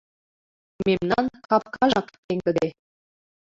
Мемнан капкажак пеҥгыде.